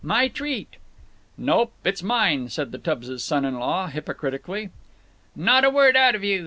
"My treat." "Nope, it's mine," said the Tubbses' son in law, hypocritically. "Not a word out of you!"